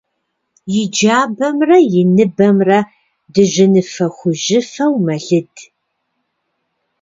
И джабэмрэ и ныбэмрэ дыжьыныфэ-хужьыфэу мэлыд.